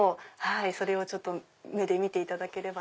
それを目で見ていただければ。